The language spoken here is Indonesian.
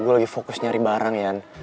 gue lagi fokus nyari barang ian